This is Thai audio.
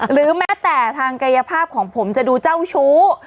หรือแม้แต่ทางกายภาพของผมจะดูเจ้าชู้